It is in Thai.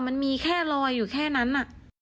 มันมีแค่ลอยอยู่แค่นั้น